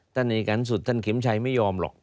ในการสุดท่านเข็มชัยไม่ยอมหรอก